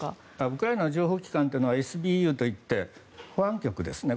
ウクライナ情報機関というのはＳＢＵといって保安局ですね。